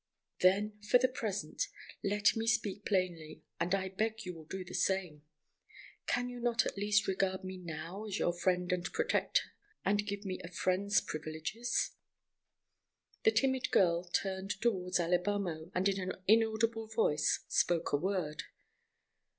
"Then for the present. Let me speak plainly, and I beg you will do the same. Can you not at least regard me now as your friend and protector, and give me a friend's privileges?" The timid girl turned toward Alibamo, and in an inaudible voice, spoke a word.